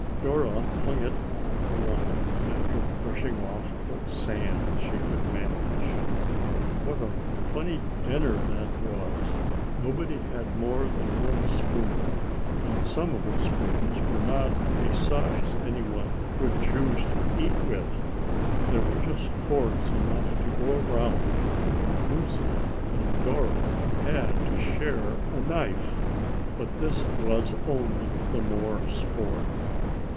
Dora hung it on the line, after brushing off what sand she could manage. What a funny dinner that was! Nobody had more than one spoon, and some of the spoons were not a size any one would choose to eat with. There were just forks enough to go around and Lucy and Dora had to share a knife. But this was only the more sport.